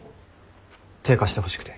手貸してほしくて。